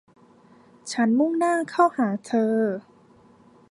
ฉันมุ่งหน้าเข้าหาเธอ